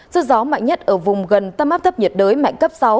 sức gió mạnh nhất ở vùng gần tâm áp thấp nhiệt đới mạnh cấp sáu